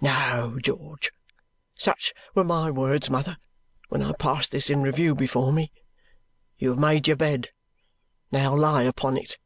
'No, George.' Such were my words, mother, when I passed this in review before me: 'You have made your bed. Now, lie upon it.'"